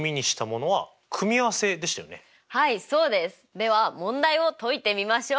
では問題を解いてみましょう！